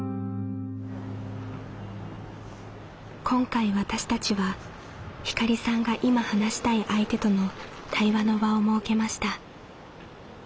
今回私たちはひかりさんが「今話したい相手」との対話の場を設けました。